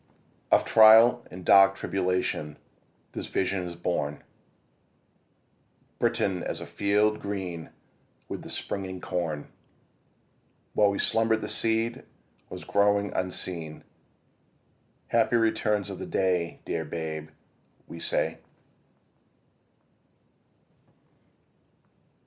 Of trial and dark tribulation this vision is born Britain as a field green with the springing corn. While we slumber'd the seed was growing unseen. Happy returns of the day, dear Babe, we say.